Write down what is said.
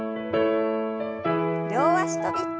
両脚跳び。